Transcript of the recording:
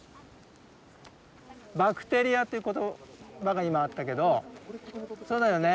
バクテリアっていう言葉が今あったけどそうだよね